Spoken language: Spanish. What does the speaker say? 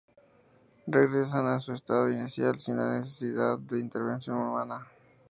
Regresan a su estado inicial sin necesidad de intervención humana.